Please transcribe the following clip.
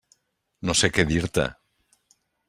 No sé què dir-te.